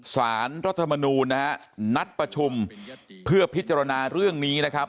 สารรัฐมนูลนะฮะนัดประชุมเพื่อพิจารณาเรื่องนี้นะครับ